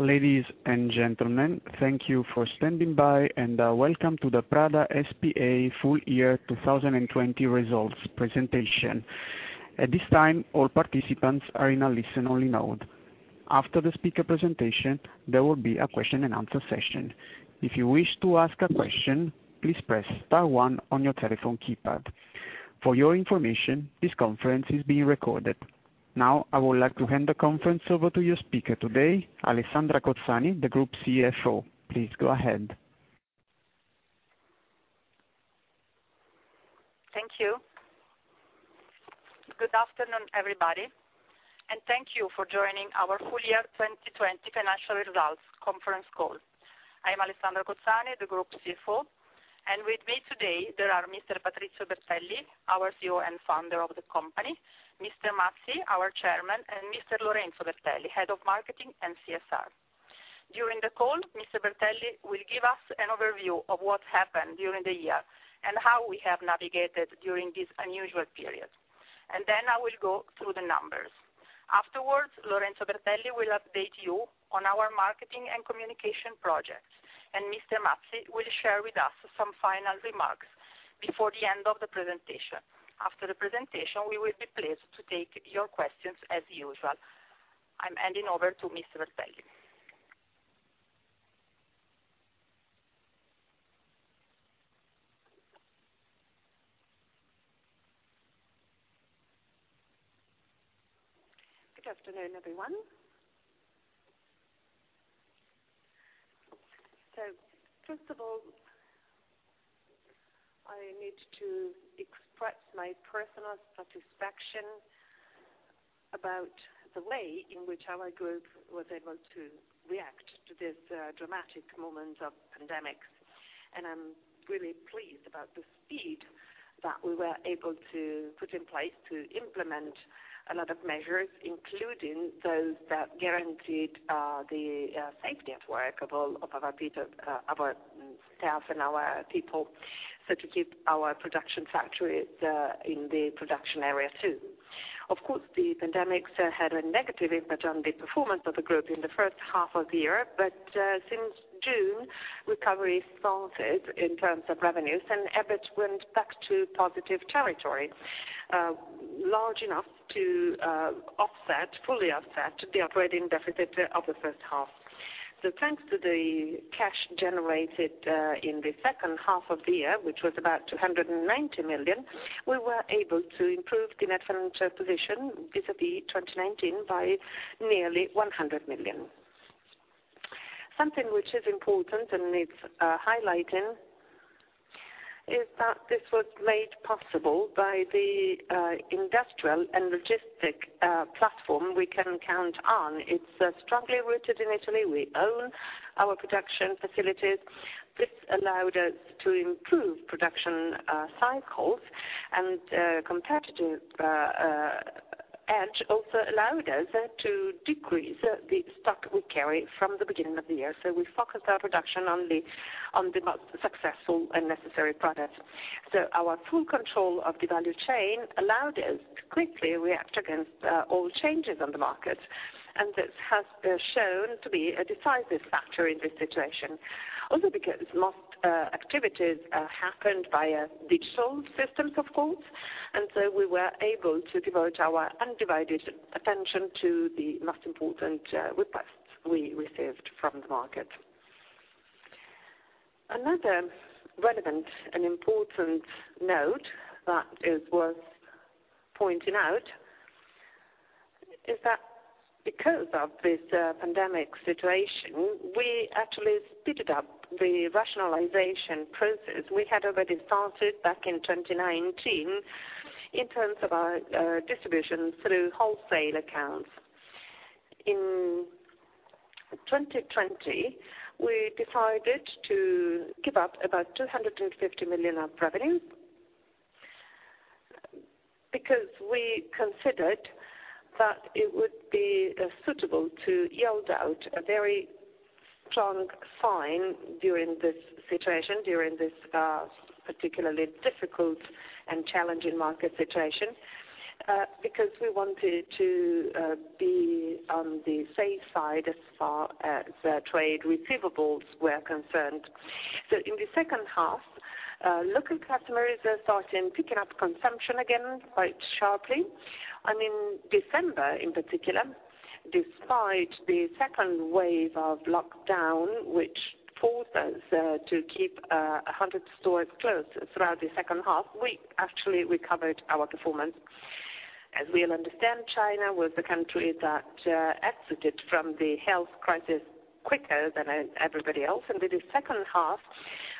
Ladies and gentlemen, thank you for standing by, and welcome to the Prada S.p.A. full year 2020 results presentation. At this time, all participants are in a listen-only mode. After the speaker presentation, there will be a question and answer session. If you wish to ask a question, please press star one on your telephone keypad. For your information, this conference is being recorded. Now, I would like to hand the conference over to your speaker today, Alessandra Cozzani, the Group CFO. Please go ahead. Thank you. Good afternoon, everybody, and thank you for joining our full year 2020 financial results conference call. I am Alessandra Cozzani, the Group CFO, and with me today there are Mr. Patrizio Bertelli, our CEO and Founder of the company, Mr. Mazzi, our Chairman, and Mr. Lorenzo Bertelli, Head of Marketing and CSR. During the call, Mr. Bertelli will give us an overview of what happened during the year and how we have navigated during this unusual period. Then I will go through the numbers. Afterwards, Lorenzo Bertelli will update you on our marketing and communication projects, and Mr. Mazzi will share with us some final remarks before the end of the presentation. After the presentation, we will be pleased to take your questions as usual. I am handing over to Mr. Bertelli. Good afternoon, everyone. First of all, I need to express my personal satisfaction about the way in which our group was able to react to this dramatic moment of pandemic. I'm really pleased about the speed that we were able to put in place to implement a lot of measures, including those that guaranteed the safety at work of our staff and our people, to keep our production factories in the production area, too. Of course, the pandemic had a negative impact on the performance of the group in the first half of the year. Since June, recovery started in terms of revenues, and EBIT went back to positive territory, large enough to fully offset the operating deficit of the first half. Thanks to the cash generated in the second half of the year, which was about 290 million, we were able to improve the net financial position vis-à-vis 2019 by nearly 100 million. Something which is important and needs highlighting is that this was made possible by the industrial and logistic platform we can count on. It's strongly rooted in Italy. We own our production facilities. This allowed us to improve production cycles, and competitive edge also allowed us to decrease the stock we carry from the beginning of the year. We focused our production on the most successful and necessary products. Our full control of the value chain allowed us to quickly react against all changes on the market, and this has shown to be a decisive factor in this situation. Also because most activities happened via digital systems, of course. We were able to devote our undivided attention to the most important requests we received from the market. Another relevant and important note that is worth pointing out is that because of this pandemic situation, we actually speeded up the rationalization process we had already started back in 2019 in terms of our distribution through wholesale accounts. In 2020, we decided to give up about 250 million of revenue because we considered that it would be suitable to yield out a very strong sign during this situation, during this particularly difficult and challenging market situation, because we wanted to be on the safe side as far as trade receivables were concerned. In the second half, local customers are starting picking up consumption again quite sharply. In December in particular, despite the second wave of lockdown, which forced us to keep 100 stores closed throughout the second half, we actually recovered our performance. As we all understand, China was the country that exited from the health crisis quicker than everybody else. In the second half,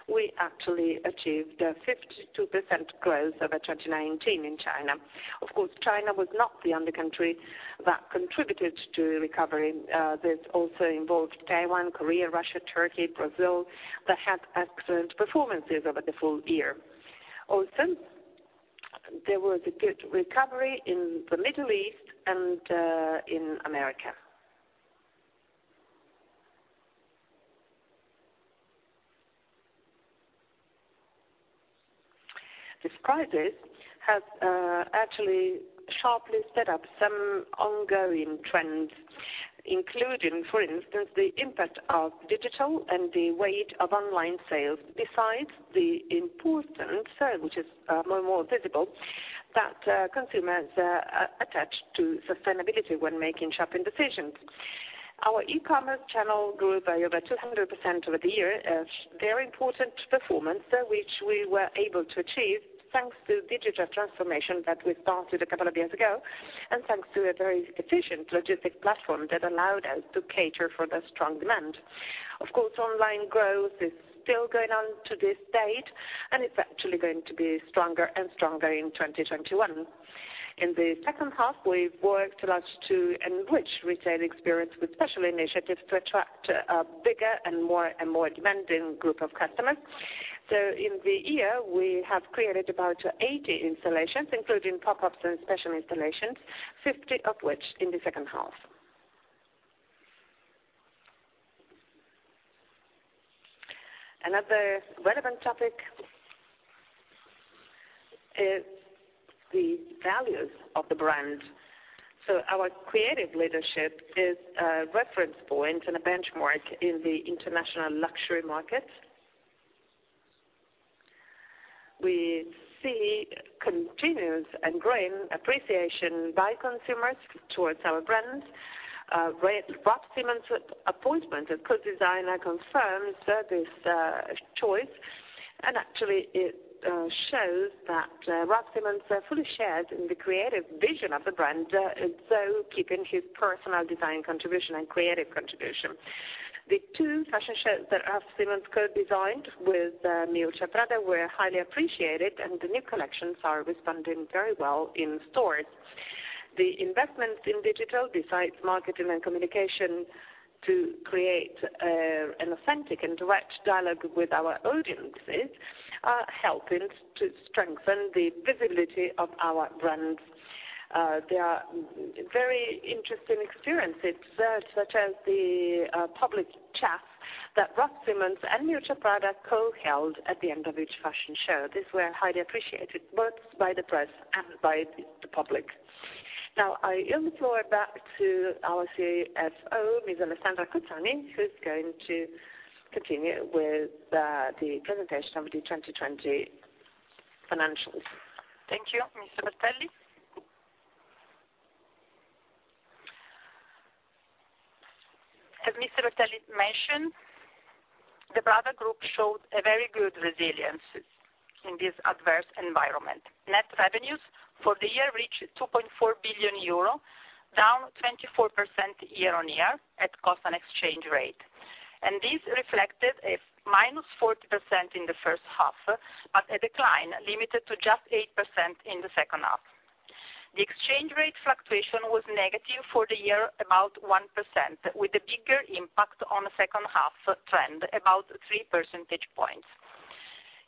we actually achieved a 52% growth over 2019 in China. Of course, China was not the only country that contributed to recovery. This also involved Taiwan, Korea, Russia, Turkey, Brazil, that had excellent performances over the full year. Also, there was a good recovery in the Middle East and in America. Crisis has actually sharply sped up some ongoing trends, including, for instance, the impact of digital and the weight of online sales, besides the importance, which is more and more visible, that consumers attach to sustainability when making shopping decisions. Our e-commerce channel grew by over 200% over the year. A very important performance, which we were able to achieve thanks to the digital transformation that we started a couple of years ago, and thanks to a very efficient logistics platform that allowed us to cater for the strong demand. Of course, online growth is still going on to this date. It's actually going to be stronger and stronger in 2021. In the second half, we worked a lot to enrich retail experience with special initiatives to attract a bigger and more demanding group of customers. In the year, we have created about 80 installations, including pop-ups and special installations, 50 of which in the second half. Another relevant topic is the values of the brand. Our creative leadership is a reference point and a benchmark in the international luxury market. We see continuous and growing appreciation by consumers towards our brand. Raf Simons' appointment as co-designer confirms this choice, and actually it shows that Raf Simons fully shares in the creative vision of the brand, and so keeping his personal design contribution and creative contribution. The two fashion shows that Raf Simons co-designed with Miuccia Prada were highly appreciated. The new collections are responding very well in stores. The investments in digital, besides marketing and communication to create an authentic and direct dialogue with our audiences, are helping to strengthen the visibility of our brands. There are very interesting experiences, such as the public chat that Raf Simons and Miuccia Prada co-held at the end of each fashion show. These were highly appreciated, both by the press and by the public. Now I yield the floor back to our CFO, Ms. Alessandra Cozzani, who's going to continue with the presentation of the 2020 financials. Thank you, Mr. Bertelli. As Mr. Bertelli mentioned, the Prada Group showed a very good resilience in this adverse environment. Net revenues for the year reached 2.4 billion euro, down 24% year-on-year at cost and exchange rate. This reflected a -40% in the first half, but a decline limited to just 8% in the second half. The exchange rate fluctuation was negative for the year, about 1%, with a bigger impact on the second half trend, about three percentage points.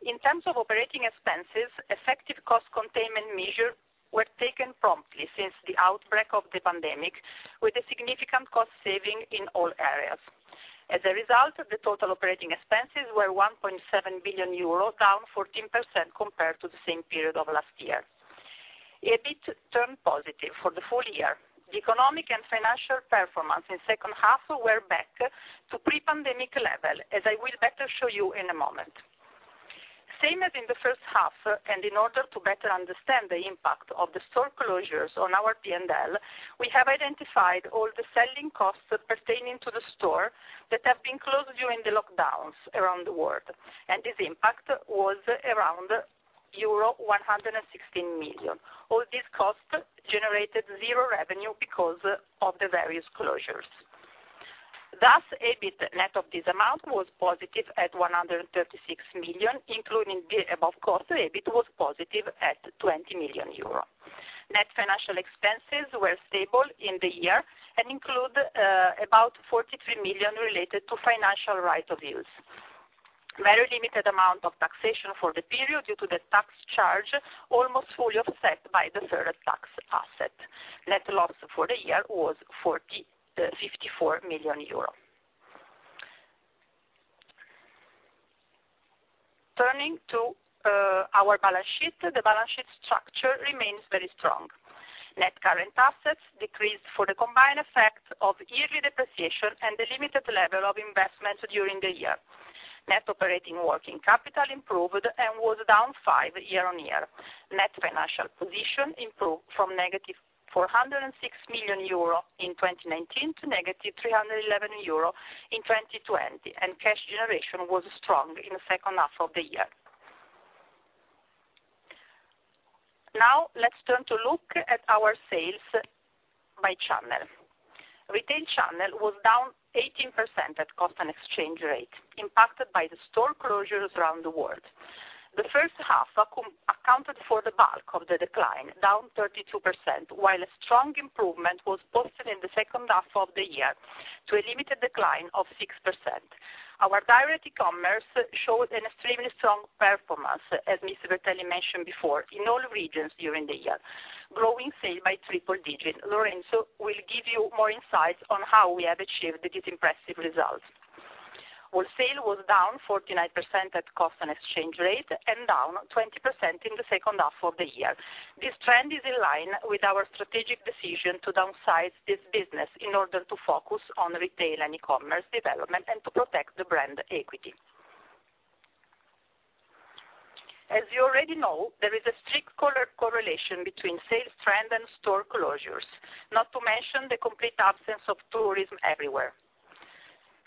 In terms of operating expenses, effective cost containment measures were taken promptly since the outbreak of the pandemic, with a significant cost saving in all areas. As a result, the total operating expenses were 1.7 billion euro, down 14% compared to the same period of last year. EBIT turned positive for the full year. The economic and financial performance in second half were back to pre-pandemic level, as I will better show you in a moment. Same as in the first half, in order to better understand the impact of the store closures on our P&L, we have identified all the selling costs pertaining to the store that have been closed during the lockdowns around the world, this impact was around euro 116 million. All these costs generated zero revenue because of the various closures. Thus, EBIT net of this amount was positive at 136 million, including the above costs, EBIT was positive at 20 million euro. Net financial expenses were stable in the year include about 43 million related to financial right of use. Very limited amount of taxation for the period due to the tax charge, almost fully offset by the tax asset. Net loss for the year was 54 million euros. Turning to our balance sheet. The balance sheet structure remains very strong. Net current assets decreased for the combined effect of yearly depreciation and the limited level of investment during the year. Net operating working capital improved and was down five year-on-year. Net financial position improved from -406 million euro in 2019- -311 million euro in 2020, and cash generation was strong in the second half of the year. Now let's turn to look at our sales by channel. Retail channel was down 18% at cost and exchange rate, impacted by the store closures around the world. The first half accounted for the bulk of the decline, down 32%, while a strong improvement was posted in the second half of the year to a limited decline of 6%. Our direct e-commerce showed an extremely strong performance, as Mr. Bertelli mentioned before, in all regions during the year, growing sales by triple digits. Lorenzo will give you more insights on how we have achieved these impressive results. Wholesale was down 49% at cost and exchange rate, and down 20% in the second half of the year. This trend is in line with our strategic decision to downsize this business in order to focus on retail and e-commerce development and to protect the brand equity. As you already know, there is a strict correlation between sales trend and store closures, not to mention the complete absence of tourism everywhere.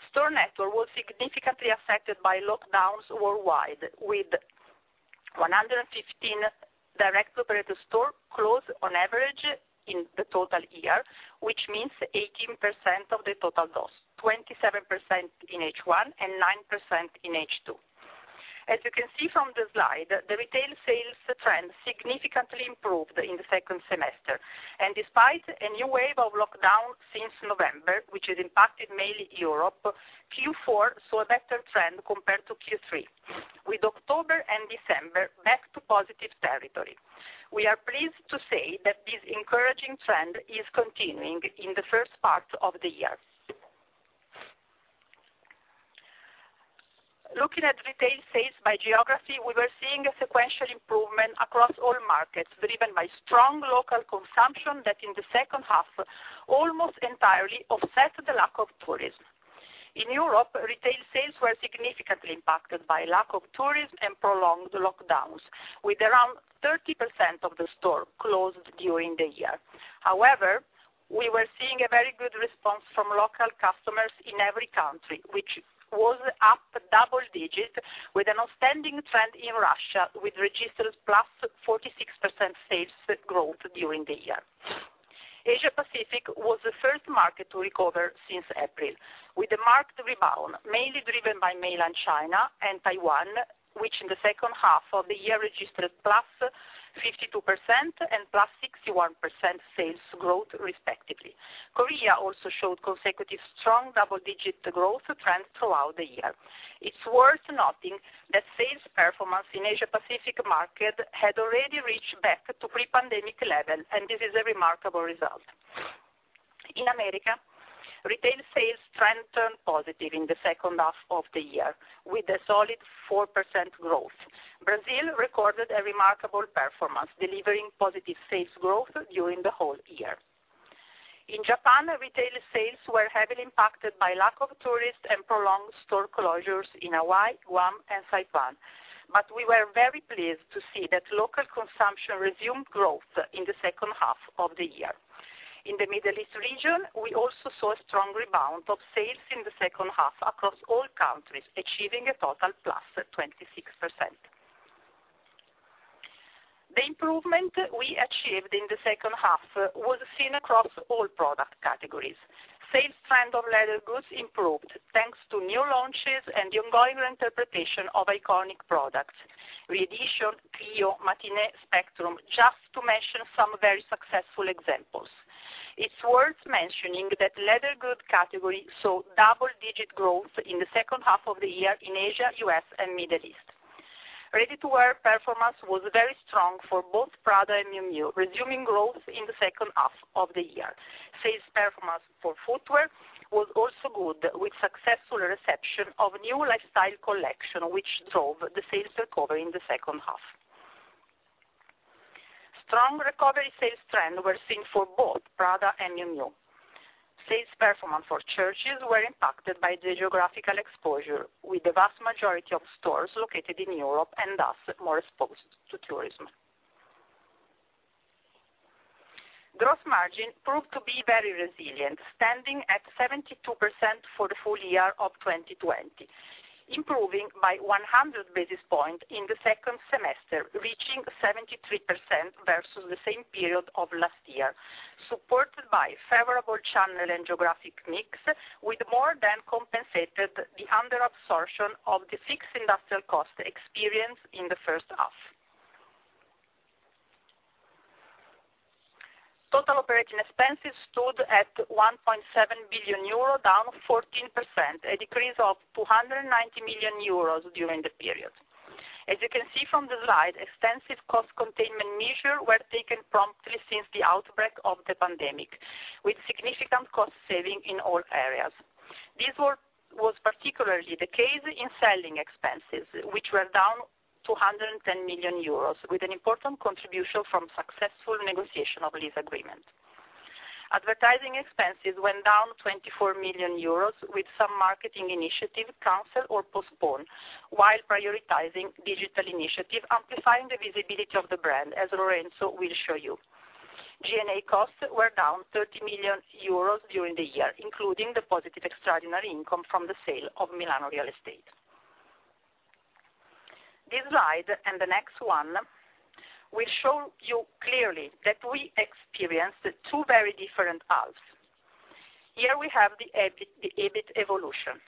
Store network was significantly affected by lockdowns worldwide, with 115 direct operator stores closed on average in the total year, which means 18% of the total doors, 27% in H1, and 9% in H2. As you can see from the slide, the retail sales trend significantly improved in the second semester. Despite a new wave of lockdowns since November, which has impacted mainly Europe, Q4 saw a better trend compared to Q3, with October and December back to positive territory. We are pleased to say that this encouraging trend is continuing in the first part of the year. Looking at retail sales by geography, we were seeing a sequential improvement across all markets, driven by strong local consumption that in the second half, almost entirely offset the lack of tourism. In Europe, retail sales were significantly impacted by lack of tourism and prolonged lockdowns, with around 30% of the stores closed during the year. We were seeing a very good response from local customers in every country, which was up double digits with an outstanding trend in Russia, which registered +46% sales growth during the year. Asia Pacific was the first market to recover since April, with a marked rebound, mainly driven by mainland China and Taiwan, which in the second half of the year registered +52% and +61% sales growth respectively. Korea also showed consecutive strong double-digit growth trends throughout the year. It's worth noting that sales performance in Asia Pacific market had already reached back to pre-pandemic level, and this is a remarkable result. In America, retail sales trend turned positive in the second half of the year with a solid 4% growth. Brazil recorded a remarkable performance, delivering positive sales growth during the whole year. In Japan, retail sales were heavily impacted by lack of tourists and prolonged store closures in Hawaii, Guam, and Saipan. We were very pleased to see that local consumption resumed growth in the second half of the year. In the Middle East region, we also saw a strong rebound of sales in the second half across all countries, achieving a total +26%. The improvement we achieved in the second half was seen across all product categories. Sales trend of leather goods improved thanks to new launches and the ongoing interpretation of iconic products. Re-Edition, Cleo, Matinée, Spectrum, just to mention some very successful examples. It's worth mentioning that leather goods category saw double-digit growth in the second half of the year in Asia, U.S., and Middle East. Ready-to-wear performance was very strong for both Prada and Miu Miu, resuming growth in the second half of the year. Sales performance for footwear was also good, with successful reception of new lifestyle collection, which drove the sales recovery in the second half. Strong recovery sales trends were seen for both Prada and Miu Miu. Sales performance for Church's were impacted by the geographical exposure, with the vast majority of stores located in Europe and thus more exposed to tourism. Gross margin proved to be very resilient, standing at 72% for the full year of 2020, improving by 100 basis points in the second semester, reaching 73% versus the same period of last year, supported by favorable channel and geographic mix, with more than compensated the under absorption of the fixed industrial cost experienced in the first half. Total operating expenses stood at 1.7 billion euro, down 14%, a decrease of 290 million euros during the period. As you can see from the slide, extensive cost containment measures were taken promptly since the outbreak of the pandemic, with significant cost saving in all areas. This was particularly the case in selling expenses, which were down 210 million euros, with an important contribution from successful negotiation of lease agreement. Advertising expenses went down 24 million euros, with some marketing initiatives canceled or postponed while prioritizing digital initiative, amplifying the visibility of the brand as Lorenzo will show you. G&A costs were down 30 million euros during the year, including the positive extraordinary income from the sale of Milano real estate. This slide and the next one will show you clearly that we experienced two very different halves. Here we have the EBIT evolution.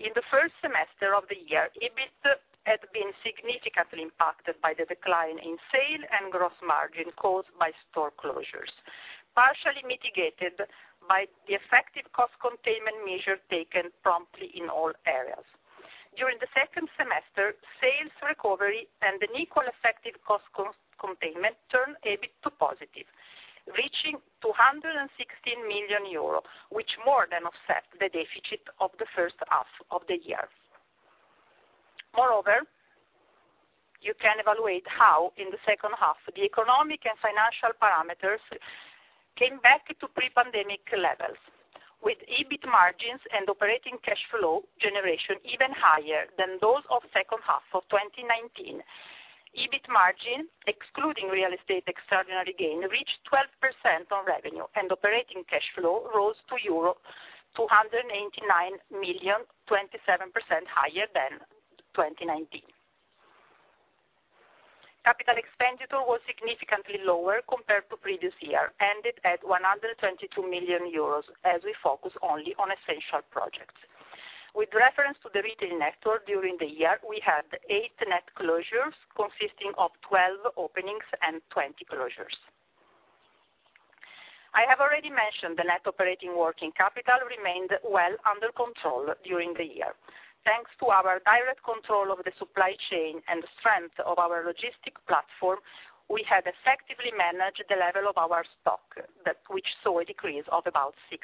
In the first semester of the year, EBIT had been significantly impacted by the decline in sale and gross margin caused by store closures, partially mitigated by the effective cost containment measure taken promptly in all areas. During the second semester, sales recovery and an equal effective cost containment turned EBIT to positive, reaching 216 million euro, which more than offset the deficit of the first half of the year. Moreover, you can evaluate how, in the second half, the economic and financial parameters came back to pre-pandemic levels, with EBIT margins and operating cash flow generation even higher than those of second half of 2019. EBIT margin, excluding real estate extraordinary gain, reached 12% on revenue, and operating cash flow rose to euro 289 million, 27% higher than 2019. Capital expenditure was significantly lower compared to previous year, ended at 122 million euros, as we focus only on essential projects. With reference to the retail network, during the year, we had eight net closures, consisting of 12 openings and 20 closures. I have already mentioned the net operating working capital remained well under control during the year. Thanks to our direct control over the supply chain and the strength of our logistic platform, we have effectively managed the level of our stock, which saw a decrease of about 6%.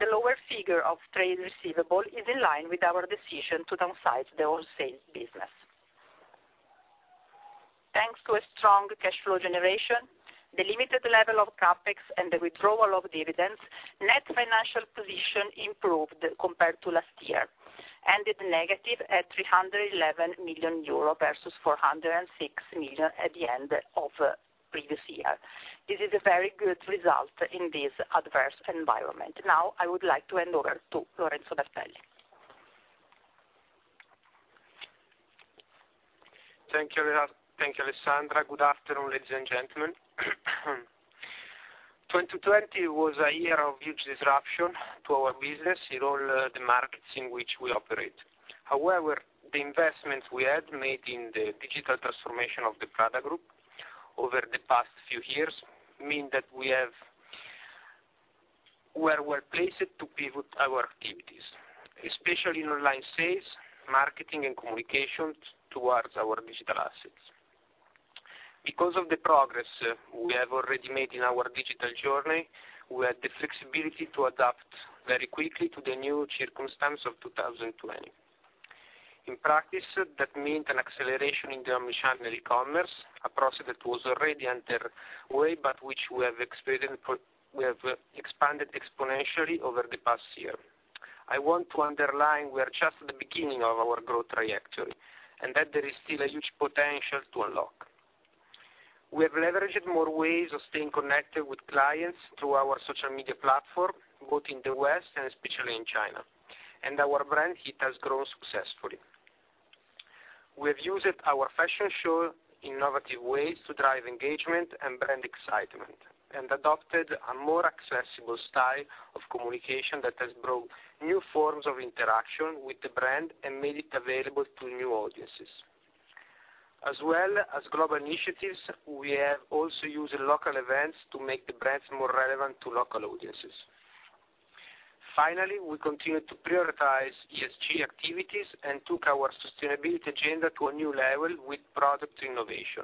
The lower figure of trade receivable is in line with our decision to downsize the wholesale business. Thanks to a strong cash flow generation, the limited level of CapEx, and the withdrawal of dividends, net financial position improved compared to last year, ended negative at 311 million euro, versus 406 million at the end of previous year. This is a very good result in this adverse environment. Now I would like to hand over to Lorenzo Bertelli. Thank you, Alessandra. Good afternoon, ladies and gentlemen. 2020 was a year of huge disruption to our business in all the markets in which we operate. The investments we had made in the digital transformation of the Prada Group over the past few years mean that we were well-placed to pivot our activities, especially in online sales, marketing, and communications towards our digital assets. Because of the progress we have already made in our digital journey, we had the flexibility to adapt very quickly to the new circumstance of 2020. In practice, that meant an acceleration in the omnichannel e-commerce, a process that was already underway, but which we have expanded exponentially over the past year. I want to underline we are just at the beginning of our growth trajectory, that there is still a huge potential to unlock. We have leveraged more ways of staying connected with clients through our social media platform, both in the West and especially in China, and our brand heat has grown successfully. We have used our fashion show innovative ways to drive engagement and brand excitement, and adopted a more accessible style of communication that has brought new forms of interaction with the brand and made it available to new audiences. As well as global initiatives, we have also used local events to make the brands more relevant to local audiences. Finally, we continued to prioritize ESG activities and took our sustainability agenda to a new level with product innovation.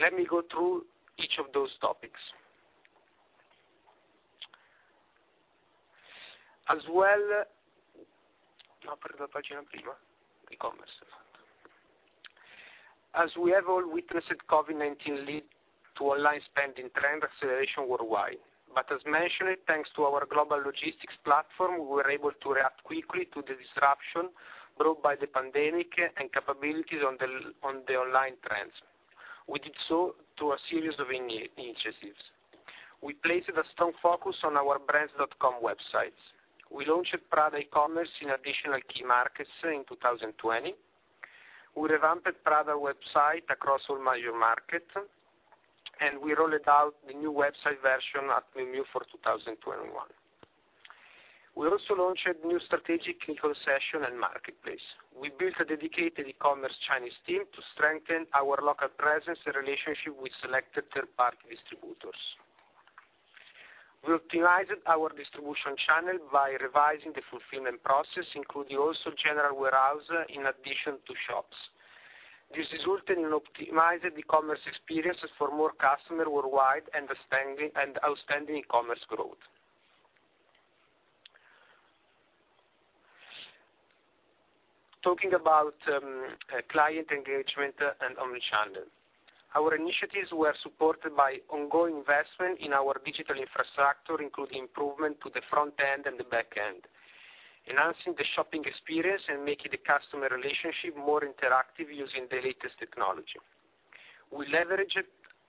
Let me go through each of those topics. As we have all witnessed, COVID-19 led to online spending trend acceleration worldwide. As mentioned, thanks to our global logistics platform, we were able to react quickly to the disruption brought by the pandemic and capabilities on the online trends. We did so through a series of initiatives. We placed a strong focus on our brands' .com websites. We launched Prada e-commerce in additional key markets in 2020. We revamped Prada website across all major market, and we rolled out the new website version at Miu Miu for 2021. We also launched new strategic concession and marketplace. We built a dedicated e-commerce Chinese team to strengthen our local presence and relationship with selected third-party distributors. We optimized our distribution channel by revising the fulfillment process, including also general warehouse in addition to shops. This resulted in optimized e-commerce experiences for more customer worldwide and outstanding e-commerce growth. Talking about client engagement and omnichannel. Our initiatives were supported by ongoing investment in our digital infrastructure, including improvement to the front end and the back end, enhancing the shopping experience and making the customer relationship more interactive using the latest technology. We leveraged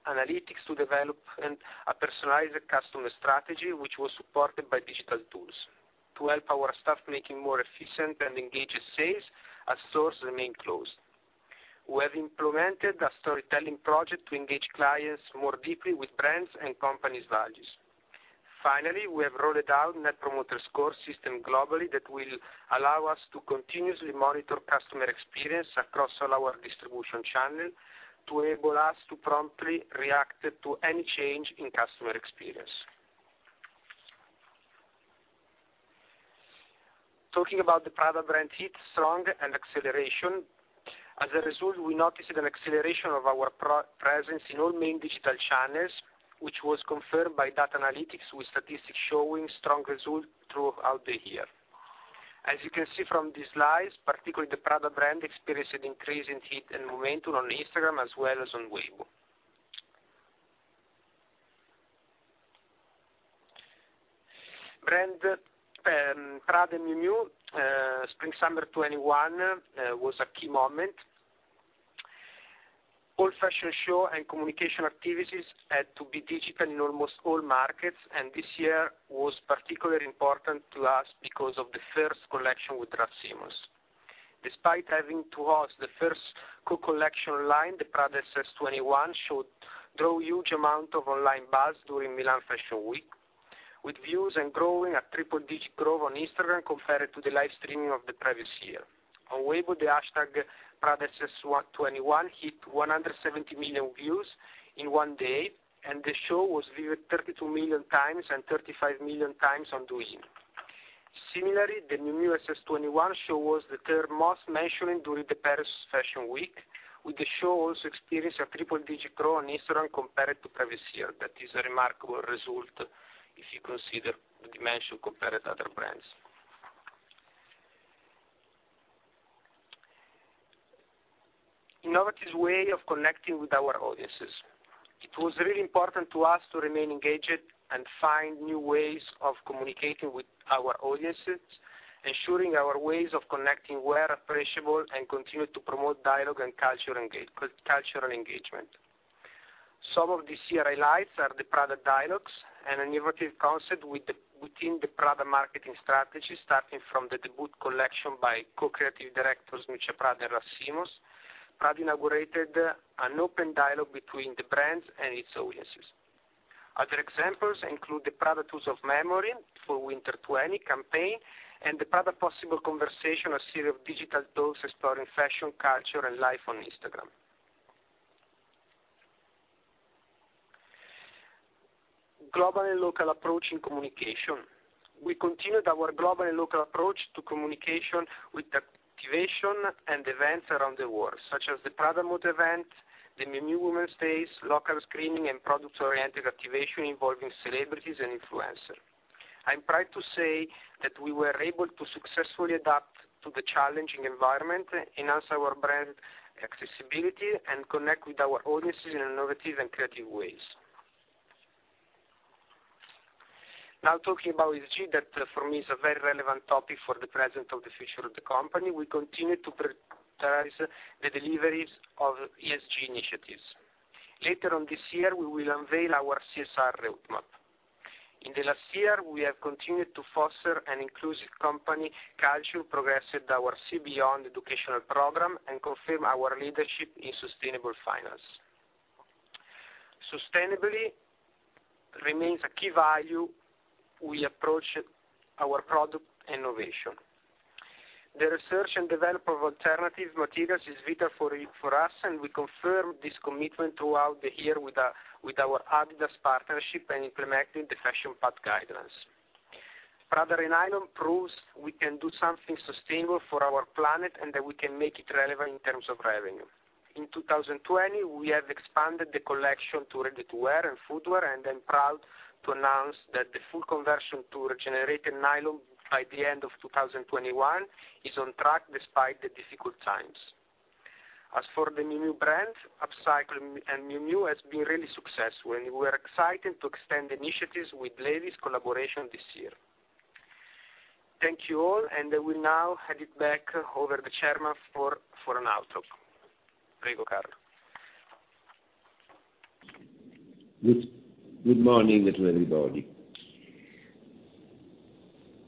analytics to develop a personalized customer strategy, which was supported by digital tools to help our staff making more efficient and engaged sales as stores remain closed. We have implemented a storytelling project to engage clients more deeply with brands and company's values. Finally, we have rolled out Net Promoter Score system globally that will allow us to continuously monitor customer experience across all our distribution channel to enable us to promptly react to any change in customer experience. Talking about the Prada brand heat, strong, and acceleration. As a result, we noticed an acceleration of our presence in all main digital channels, which was confirmed by data analytics, with statistics showing strong results throughout the year. As you can see from these slides, particularly the Prada brand experienced an increase in heat and momentum on Instagram as well as on Weibo. Prada and Miu Miu Spring/Summer 2021 was a key moment. All fashion show and communication activities had to be digital in almost all markets, and this year was particularly important to us because of the first collection with Raf Simons. Despite having to host the first co-collection line, the Prada SS21 show drew a huge amount of online buzz during Milan Fashion Week, with views and growing at triple-digit growth on Instagram compared to the live streaming of the previous year. On Weibo, the hashtag #PradaSS21 hit 170 million views in one day, and the show was viewed 32 million times and 35 million times on Douyin. Similarly, the Miu Miu SS21 show was the third most mentioned during the Paris Fashion Week, with the show also experiencing triple-digit growth on Instagram compared to the previous year. That is a remarkable result if you consider the dimension compared to other brands. Innovative way of connecting with our audiences. It was really important to us to remain engaged and find new ways of communicating with our audiences, ensuring our ways of connecting were appreciable, and continue to promote dialogue and cultural engagement. Some of this year's highlights are the Prada Dialogues, an innovative concept within the Prada marketing strategy. Starting from the debut collection by co-creative directors Miuccia Prada and Raf Simons, Prada inaugurated an open dialogue between the brand and its audiences. Other examples include the Prada Tools of Memory for Winter 2020 campaign and the Prada Possible Conversations, a series of digital talks exploring fashion, culture, and life on Instagram. Global and local approach in communication. We continued our global and local approach to communication with activation and events around the world, such as the Prada Mode event, the Miu Miu Women's Tales, local screening, and product-oriented activation involving celebrities and influencers. I'm proud to say that we were able to successfully adapt to the challenging environment, enhance our brand accessibility, and connect with our audiences in innovative and creative ways. Talking about ESG, that for me is a very relevant topic for the present or the future of the company. We continue to prioritize the deliveries of ESG initiatives. Later on this year, we will unveil our CSR roadmap. In the last year, we have continued to foster an inclusive company culture, progressed our Sea Beyond educational program, and confirmed our leadership in sustainable finance. Sustainability remains a key value we approach our product innovation. The research and development of alternative materials is vital for us, and we confirm this commitment throughout the year with our Adidas partnership and implementing the Fashion Pact guidance. Prada Re-Nylon proves we can do something sustainable for our planet, and that we can make it relevant in terms of revenue. In 2020, we have expanded the collection to ready-to-wear and footwear, and I'm proud to announce that the full conversion to regenerated nylon by the end of 2021 is on track despite the difficult times. As for the Miu Miu brand, Upcycled and Miu Miu has been really successful, and we're excited to extend initiatives with Levi's collaboration this year. Thank you all, and I will now hand it back over to the Chairman for an outlook. Prego, Carlo. Good morning to everybody.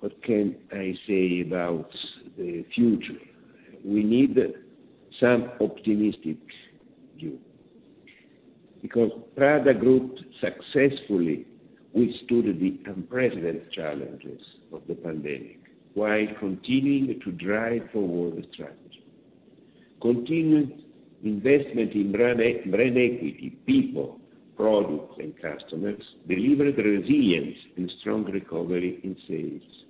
What can I say about the future? We need some optimistic view, because Prada Group successfully withstood the unprecedented challenges of the pandemic while continuing to drive forward the strategy. Continued investment in brand equity, people, products, and customers delivered resilience and strong recovery in sales.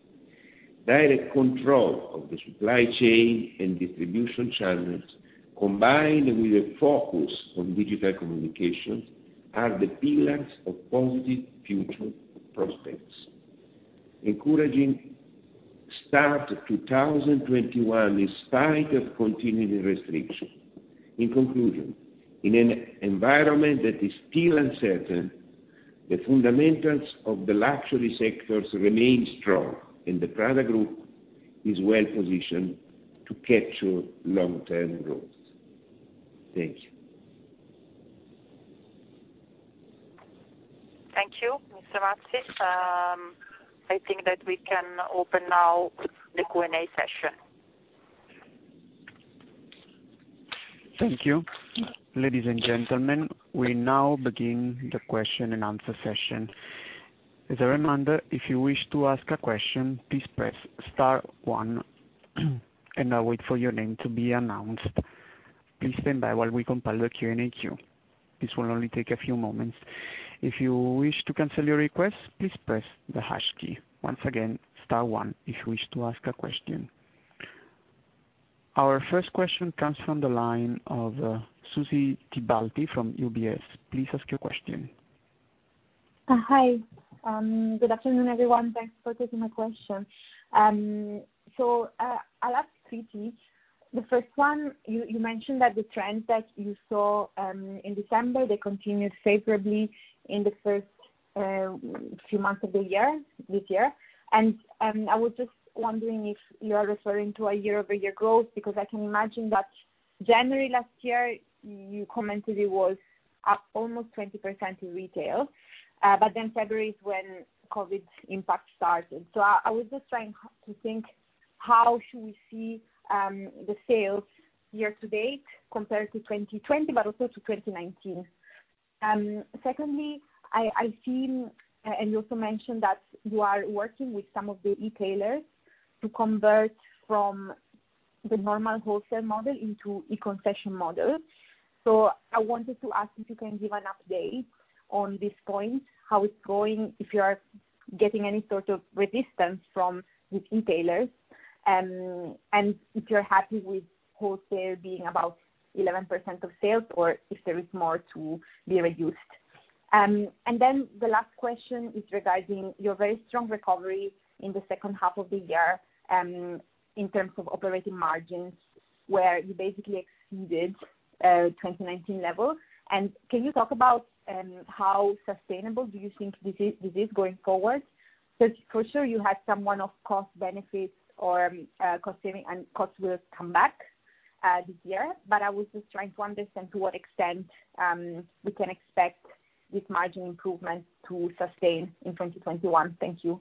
Direct control of the supply chain and distribution channels, combined with a focus on digital communication, are the pillars of positive future prospects. Encouraging start to 2021 in spite of continued restrictions. In conclusion, in an environment that is still uncertain, the fundamentals of the luxury sectors remain strong, and the Prada Group is well-positioned to capture long-term growth. Thank you. Thank you, Mr. Mazzi. I think that we can open now the Q&A session. Thank you. Ladies and gentlemen, we now begin the question and answer session. As a reminder, if you wish to ask a question, please press star one and wait for your name to be announced. Please stand by while we compile the Q&A queue. This will only take a few moments. If you wish to cancel your request, please press the hash key. Once again, star one if you wish to ask a question. Our first question comes from the line of Susy Tibaldi from UBS. Please ask your question. Hi. Good afternoon, everyone. Thanks for taking my question. I'll ask three things. The first one, you mentioned that the trend that you saw in December, they continued favorably in the first few months of this year. I was just wondering if you are referring to a year-over-year growth, because I can imagine that January last year, you commented it was up almost 20% in retail. February is when COVID impact started. I was just trying to think how should we see the sales year-to-date compared to 2020, but also to 2019. Secondly, I've seen, and you also mentioned that you are working with some of the e-tailers to convert from the normal wholesale model into e-concession model. I wanted to ask if you can give an update on this point, how it's going, if you are getting any sort of resistance from the e-tailers, and if you're happy with wholesale being about 11% of sales, or if there is more to be reduced. The last question is regarding your very strong recovery in the second half of the year, in terms of operating margins, where you basically exceeded 2019 levels. Can you talk about how sustainable do you think this is going forward? Because for sure you had some one-off cost benefits and costs will come back this year. I was just trying to understand to what extent we can expect this margin improvement to sustain in 2021. Thank you.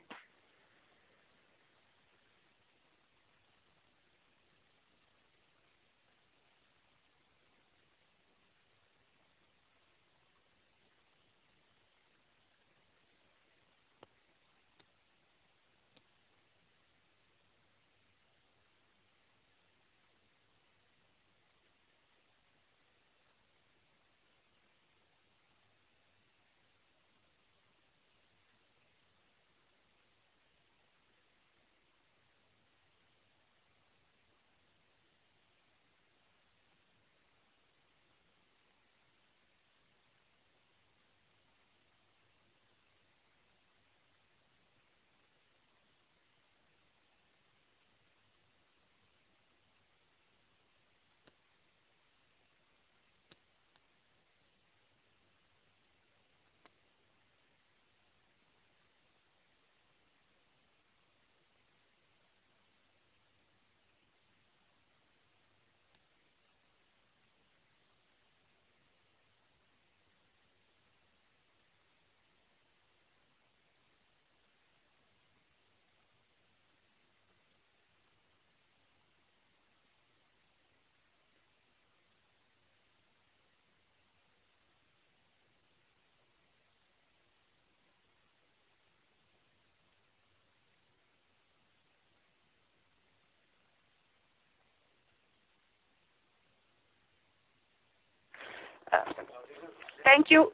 Thank you.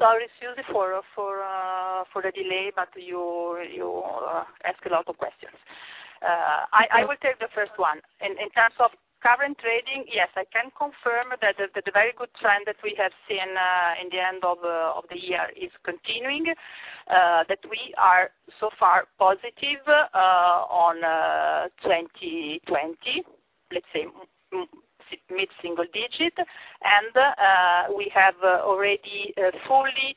Sorry, Susy, for the delay, but you asked a lot of questions. I will take the first one. In terms of current trading, yes, I can confirm that the very good trend that we have seen in the end of the year is continuing, that we are so far positive on 2020, let's say mid-single digit. We have already fully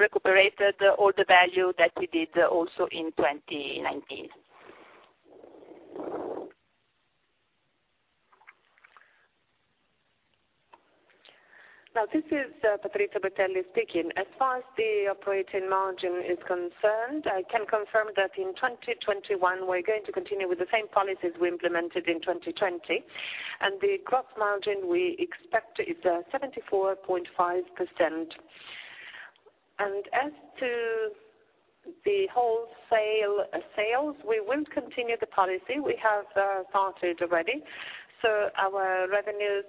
recuperated all the value that we did also in 2019. This is Patrizio Bertelli speaking. As far as the operating margin is concerned, I can confirm that in 2021, we're going to continue with the same policies we implemented in 2020. The gross margin we expect is 74.5%. As to the wholesale sales, we will continue the policy we have started already. Our revenues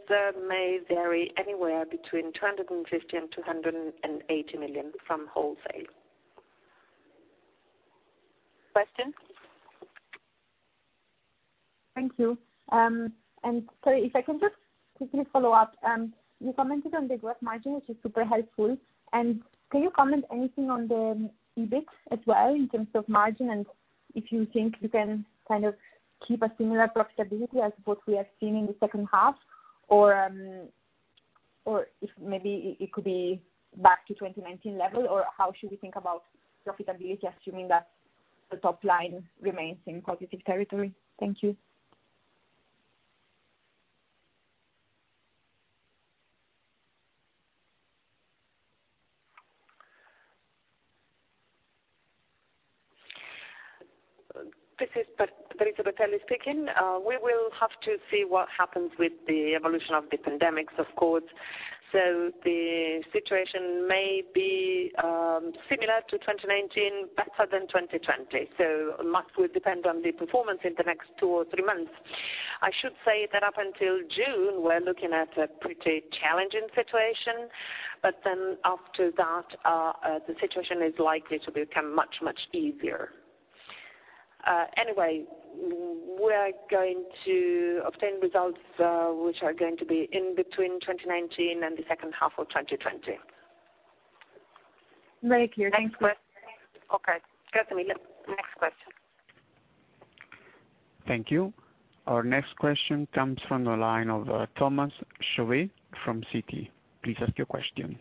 may vary anywhere between 250 million and 280 million from wholesale. Questions? Thank you. Sorry, if I can just quickly follow up. You commented on the gross margin, which is super helpful. Can you comment anything on the EBIT as well in terms of margin, and if you think you can kind of keep a similar profitability as what we have seen in the second half? If maybe it could be back to 2019 level, or how should we think about profitability, assuming that the top line remains in positive territory? Thank you. This is Patrizio Bertelli speaking. We will have to see what happens with the evolution of the pandemic, of course. The situation may be similar to 2019, better than 2020. Much will depend on the performance in the next two or three months. I should say that up until June, we're looking at a pretty challenging situation, after that, the situation is likely to become much, much easier. We're going to obtain results, which are going to be in between 2019 and the second half of 2020. Very clear. Thanks. Okay. Next question. Thank you. Our next question comes from the line of Thomas Chauvet from Citi. Please ask your question.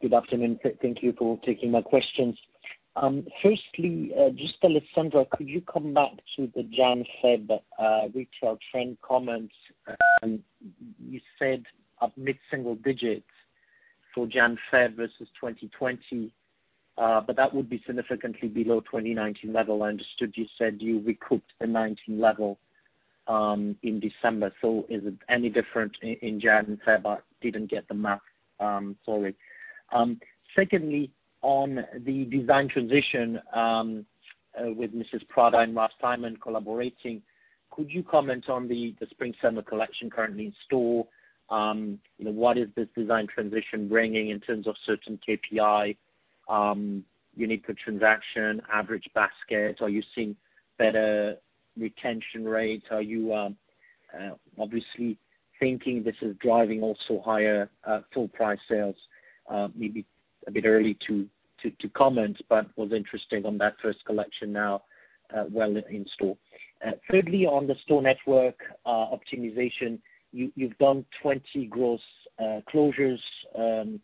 Good afternoon. Thank you for taking my questions. Firstly, just Alessandra, could you come back to the January, February retail trend comments? You said mid-single digits for January, February versus 2020, that would be significantly below 2019 level. I understood you said you recouped the 2019 level in December. Is it any different in January and February? I didn't get the math, sorry. Secondly, on the design transition with Mrs. Prada and Raf Simons collaborating, could you comment on the spring/summer collection currently in store? What is this design transition bringing in terms of certain KPI, unique per transaction, average basket? Are you seeing better retention rates? Are you obviously thinking this is driving also higher full price sales? Maybe a bit early to comment, was interested on that first collection now well in store. Thirdly, on the store network optimization, you've done 20 gross closures, and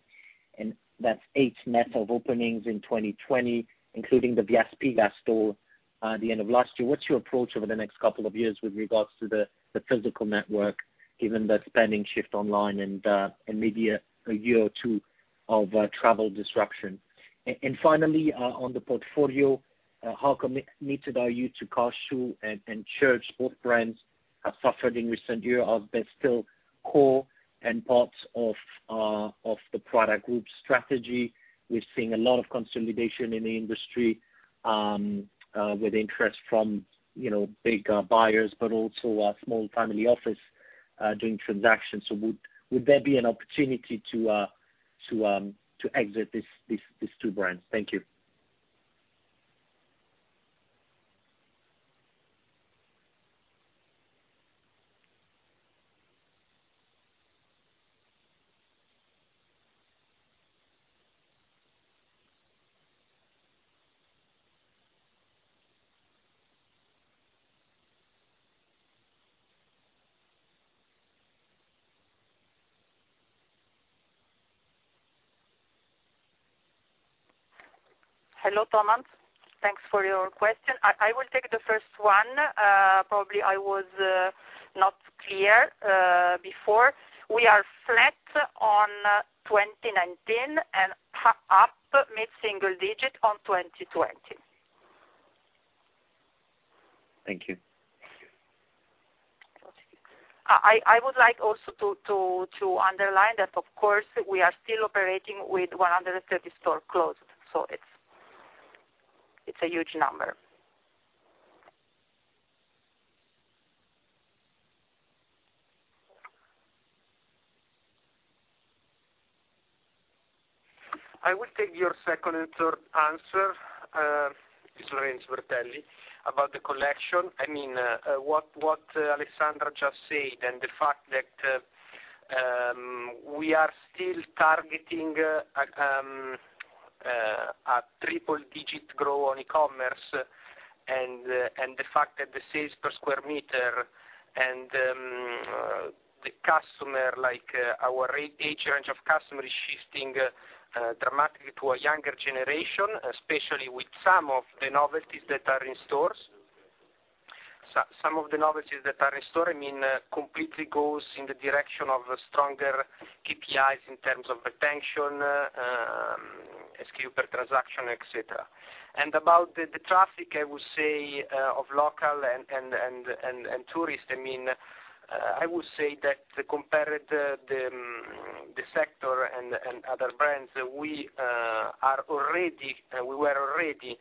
that's eight net of openings in 2020, including the VSP store at the end of last year. What's your approach over the next couple of years with regards to the physical network, given the spending shift online and maybe a year or two of travel disruption? Finally, on the portfolio, how committed are you to Car Shoe and Church's? Both brands have suffered in recent years. Are they still core and parts of the Prada Group strategy? We're seeing a lot of consolidation in the industry with interest from big buyers, but also small family office doing transactions. Would there be an opportunity to exit these two brands? Thank you. Hello, Thomas. Thanks for your question. I will take the first one. Probably I was not clear before. We are flat on 2019 and up mid-single digit on 2020. Thank you. I would like also to underline that, of course, we are still operating with 130 stores closed. It's a huge number. I will take your second and third answer. It's Lorenzo Bertelli. About the collection, what Alessandra just said, the fact that we are still targeting a triple digit growth on e-commerce, and the fact that the sales per square meter and the customer, our age range of customer is shifting dramatically to a younger generation, especially with some of the novelties that are in stores. Some of the novelties that are in store, completely goes in the direction of stronger KPIs in terms of retention, SKU per transaction, et cetera. About the traffic, I would say, of local and tourist, I would say that compared the sector and other brands, we were already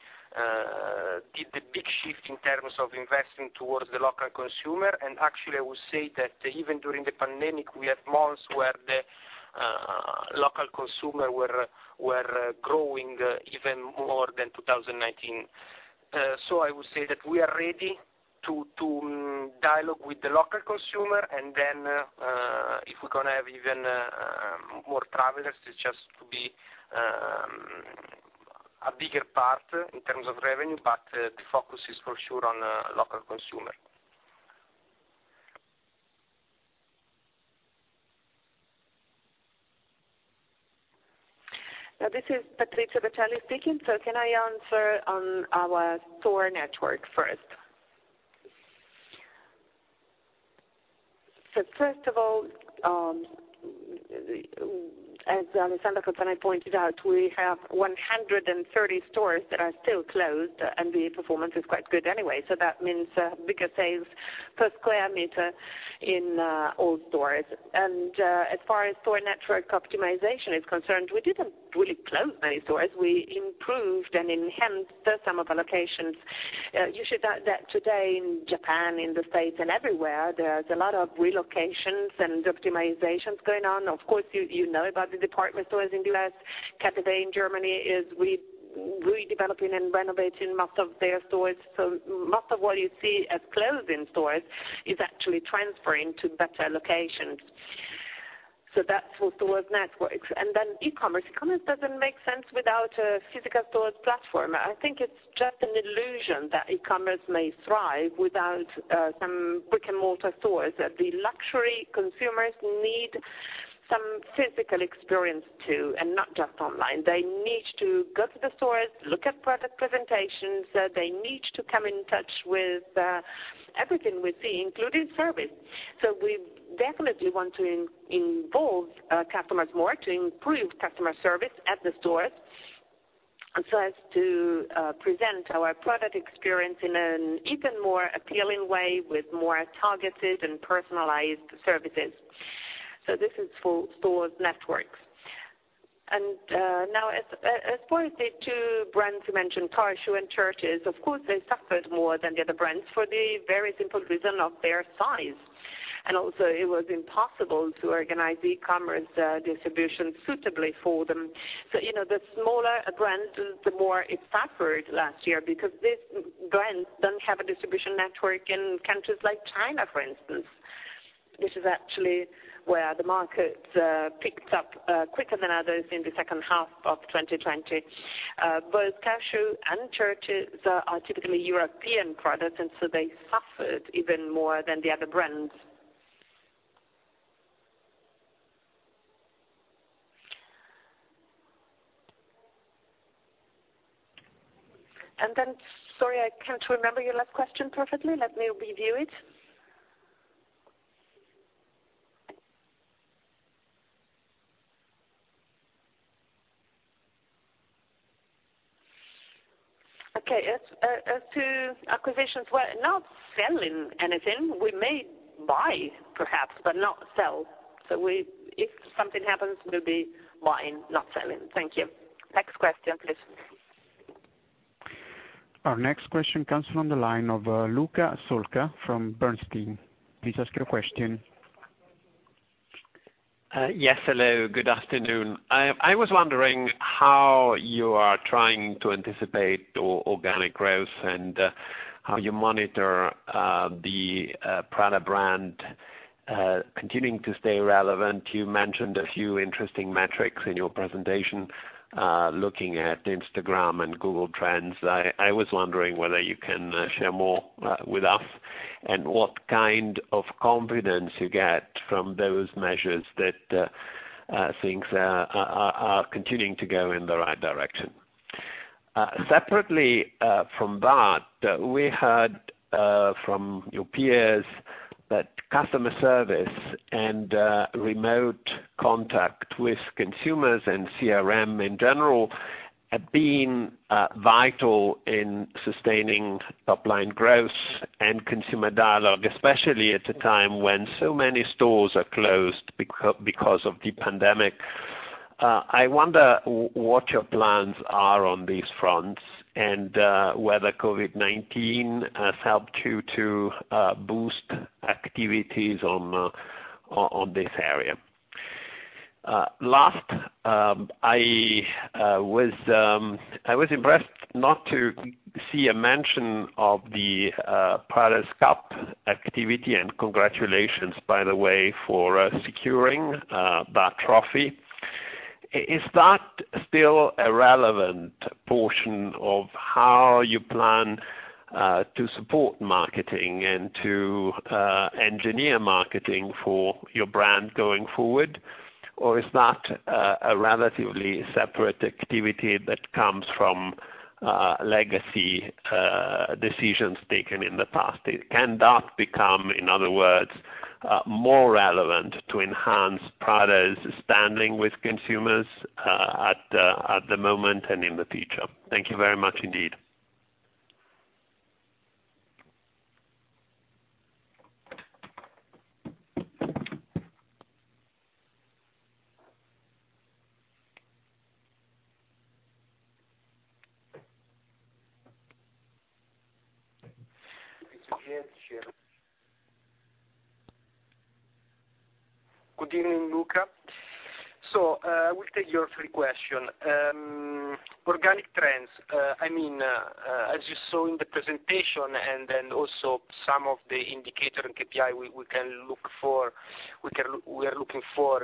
did the big shift in terms of investing towards the local consumer. Actually, I would say that even during the pandemic, we had months where the local consumer were growing even more than 2019. I would say that we are ready to dialogue with the local consumer, and then if we're going to have even more travelers, it's just to be a bigger part in terms of revenue. The focus is for sure on the local consumer. This is Patrizio Bertelli speaking. Can I answer on our store network first? First of all, as Alessandra Cozzani pointed out, we have 130 stores that are still closed, and the performance is quite good anyway. That means bigger sales per square meter in all stores. As far as store network optimization is concerned, we didn't really close any stores. We improved and enhanced some of our locations. You should note that today in Japan, in the U.S., and everywhere, there's a lot of relocations and optimizations going on. Of course, you know about the department stores in the U.S. KaDeWe in Germany is redeveloping and renovating most of their stores. Most of what you see as closing stores is actually transferring to better locations. That's for stores networks. Then e-commerce. E-commerce doesn't make sense without a physical stores platform. I think it's just an illusion that e-commerce may thrive without some brick-and-mortar stores. The luxury consumers need some physical experience too, and not just online. They need to go to the stores, look at product presentations. They need to come in touch with everything we see, including service. We definitely want to involve our customers more to improve customer service at the stores so as to present our product experience in an even more appealing way with more targeted and personalized services. This is for stores networks. Now, as for the two brands you mentioned, Car Shoe and Church's, of course, they suffered more than the other brands for the very simple reason of their size. Also, it was impossible to organize e-commerce distribution suitably for them. The smaller a brand is, the more it suffered last year because these brands don't have a distribution network in countries like China, for instance. This is actually where the market picked up quicker than others in the second half of 2020. Both Car Shoe and Church's are typically European products, they suffered even more than the other brands. Sorry, I can't remember your last question perfectly. Let me review it. Okay. As to acquisitions, we're not selling anything. We may buy, perhaps, but not sell. If something happens, we'll be buying, not selling. Thank you. Next question, please. Our next question comes from the line of Luca Solca from Bernstein. Please ask your question. Yes. Hello, good afternoon. I was wondering how you are trying to anticipate organic growth and how you monitor the Prada brand continuing to stay relevant. You mentioned a few interesting metrics in your presentation, looking at Instagram and Google Trends. I was wondering whether you can share more with us and what kind of confidence you get from those measures that things are continuing to go in the right direction. Separately from that, we heard from your peers that customer service and remote contact with consumers and CRM in general have been vital in sustaining top-line growth and consumer dialogue, especially at a time when so many stores are closed because of the pandemic. I wonder what your plans are on these fronts and whether COVID-19 has helped you to boost activities on this area. Last, I was impressed not to see a mention of the Prada Cup activity, and congratulations by the way, for securing that trophy. Is that still a relevant portion of how you plan to support marketing and to engineer marketing for your brand going forward? Is that a relatively separate activity that comes from legacy decisions taken in the past? Can that become, in other words, more relevant to enhance Prada's standing with consumers at the moment and in the future? Thank you very much indeed. Good evening, Luca. We'll take your three question. Organic trends, as you saw in the presentation, and then also some of the indicator and KPI we are looking for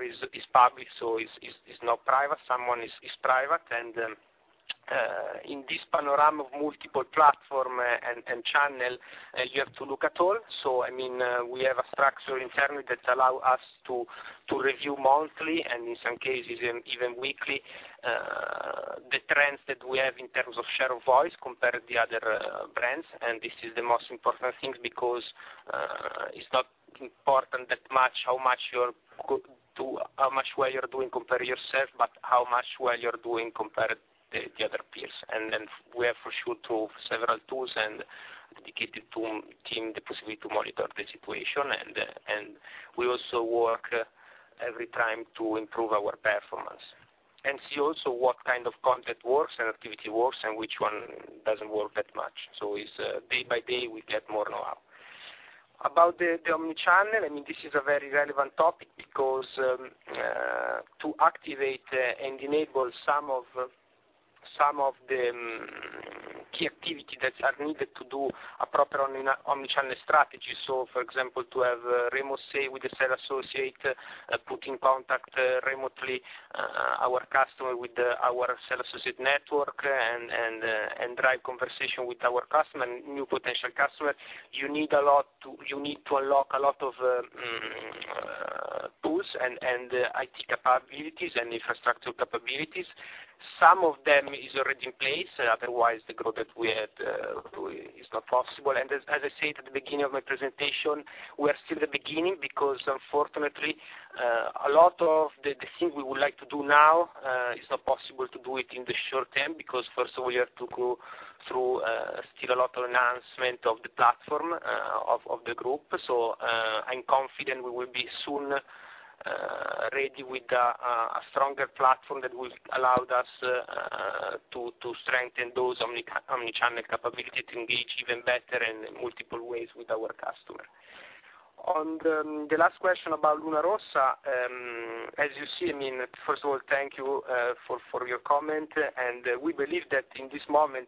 is public, so is not private. Some is private. In this panorama of multiple platform and channel, you have to look at all. We have a structure internally that allow us to review monthly, and in some cases even weekly. The trends that we have in terms of share of voice compared to the other brands, this is the most important thing, because it's not important that much how much well you're doing compared yourself, but how much well you're doing compared the other peers. We have, for sure, tools, several tools, and a dedicated team, the possibility to monitor the situation. We also work every time to improve our performance and see also what kind of content works and activity works, and which one doesn't work that much. It's day by day, we get more know-how. About the omnichannel, this is a very relevant topic because to activate and enable some of the key activity that are needed to do a proper omnichannel strategy. For example, to have remote sale with the sales associate, put in contact remotely our customer with our sales associate network, and drive conversation with our customer and new potential customer, you need to unlock a lot of tools and IT capabilities and infrastructure capabilities. Some of them is already in place. Otherwise, the growth that we had is not possible. As I said at the beginning of my presentation, we are still at the beginning because unfortunately, a lot of the things we would like to do now is not possible to do it in the short term, because first of all, we have to go through still a lot of enhancement of the platform of the Group. I'm confident we will be soon ready with a stronger platform that will allow us to strengthen those omnichannel capability to engage even better in multiple ways with our customer. On the last question about Luna Rossa, as you see, first of all, thank you for your comment, and we believe that in this moment,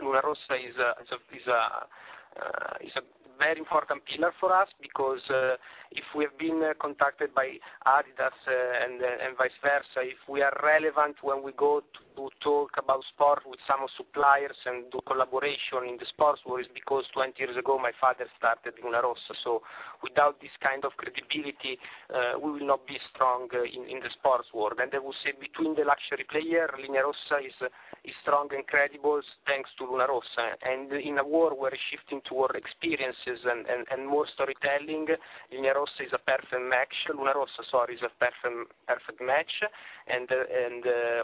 Luna Rossa is a very important pillar for us because if we have been contacted by Adidas and vice versa, if we are relevant when we go to talk about sport with some suppliers and do collaboration in the sports world is because 20 years ago my father started Luna Rossa. Without this kind of credibility, we will not be strong in the sports world. I will say between the luxury player, Luna Rossa is strong and credible thanks to Luna Rossa. In a world where shifting toward experiences and more storytelling, Luna Rossa is a perfect match, and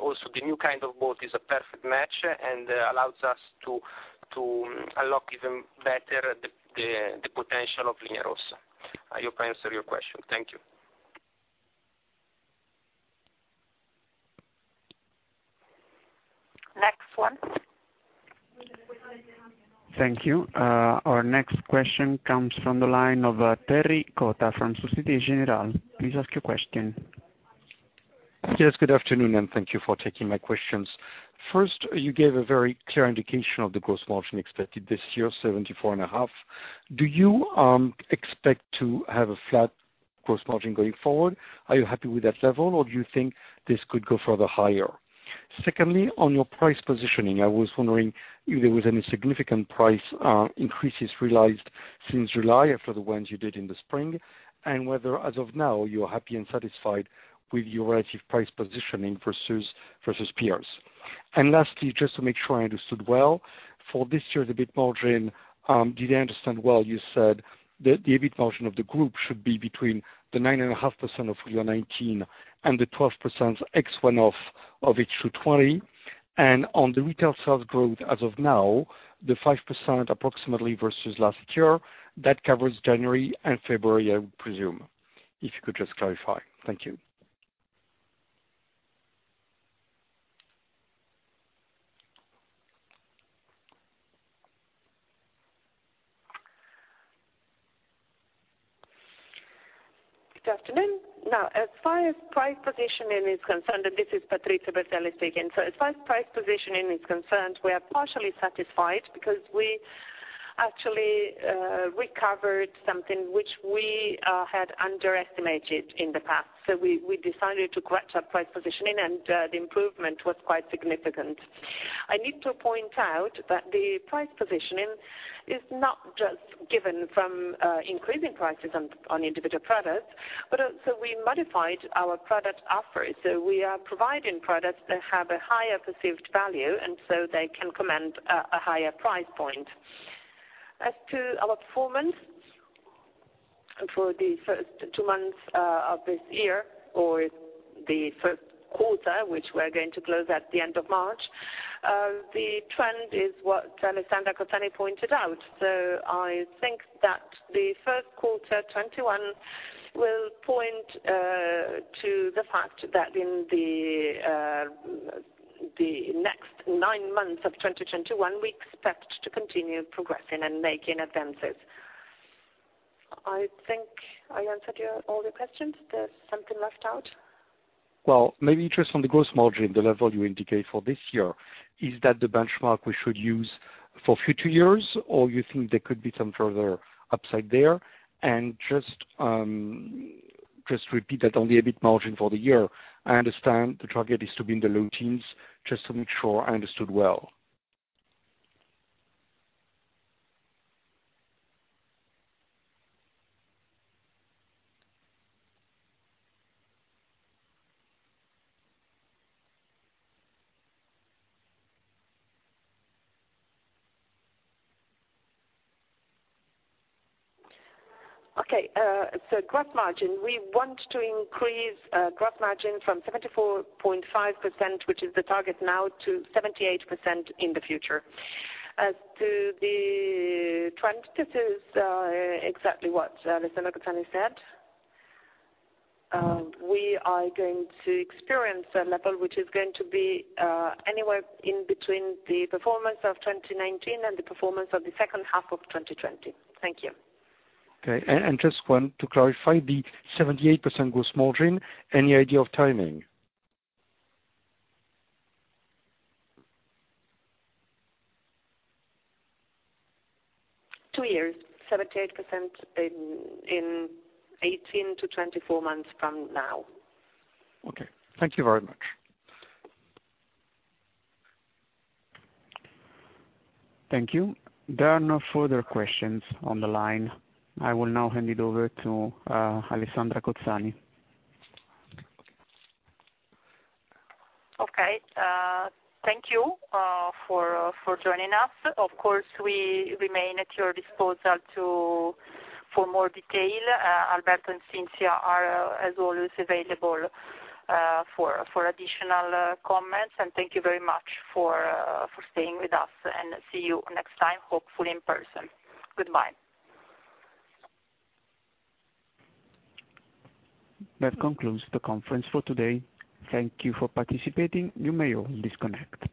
also the new kind of boat is a perfect match and allows us to unlock even better the potential of Luna Rossa. I hope I answered your question. Thank you. Next one. Thank you. Our next question comes from the line of Thierry Cota from Societe Generale. Please ask your question. Good afternoon, and thank you for taking my questions. You gave a very clear indication of the gross margin expected this year, 74.5%. Do you expect to have a flat gross margin going forward? Are you happy with that level, or do you think this could go further higher? On your price positioning, I was wondering if there was any significant price increases realized since July after the ones you did in the spring, and whether as of now you are happy and satisfied with your relative price positioning versus peers. Lastly, just to make sure I understood well, for this year's EBIT margin, did I understand well, you said that the EBIT margin of the group should be between the 9.5% of full year 2019 and the 12% ex one-off of H2 2020? On the retail sales growth as of now, the 5% approximately versus last year, that covers January and February, I would presume. If you could just clarify? Thank you. Good afternoon. As far as price positioning is concerned, and this is Patrizio Bertelli speaking. As far as price positioning is concerned, we are partially satisfied because we actually recovered something which we had underestimated in the past. We decided to correct our price positioning, and the improvement was quite significant. I need to point out that the price positioning is not just given from increasing prices on individual products, but also we modified our product offer. We are providing products that have a higher perceived value, and they can command a higher price point. As to our performance for the first two months of this year, or the first quarter, which we're going to close at the end of March, the trend is what Alessandra Cozzani pointed out. I think that the first quarter 2021 will point to the fact that in the next nine months of 2021, we expect to continue progressing and making advances. I think I answered all your questions. There's something left out? Well, maybe just on the gross margin, the level you indicate for this year, is that the benchmark we should use for future years, or you think there could be some further upside there? Just repeat that on the EBIT margin for the year. I understand the target is to be in the low teens. Just to make sure I understood well. Gross margin, we want to increase gross margin from 74.5%, which is the target now, to 78% in the future. As to the trend, this is exactly what Alessandra Cozzani said. We are going to experience a level which is going to be anywhere in between the performance of 2019 and the performance of the second half of 2020. Thank you. Okay. Just want to clarify the 78% gross margin. Any idea of timing? Two years. 78% in 18-24 months from now. Okay. Thank you very much. Thank you. There are no further questions on the line. I will now hand it over to Alessandra Cozzani. Okay. Thank you for joining us. Of course, we remain at your disposal for more detail. Alberto and Cinzia are, as always, available for additional comments. Thank you very much for staying with us, and see you next time, hopefully in person. Goodbye. That concludes the conference for today. Thank you for participating. You may all disconnect.